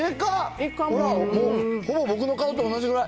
ほら、もう、ほぼ僕の顔と同じくらい。